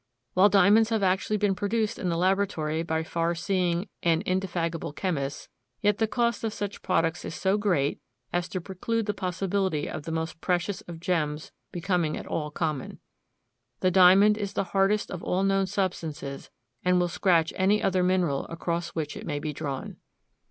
While diamonds have actually been produced in the laboratory by far seeing and indefatigable chemists, yet the cost of such products is so great as to preclude the possibility of the most precious of gems becoming at all common. The diamond is the hardest of all known substances, and will scratch any other mineral across which it may be drawn.